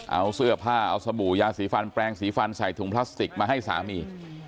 เอาเสื้อผ้าเอาสบู่ยาสีฟันแปลงสีฟันใส่ถุงพลาสติกมาให้สามี